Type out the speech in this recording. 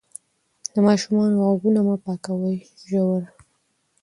د ماشوم غوږونه مه پاکوئ ژور.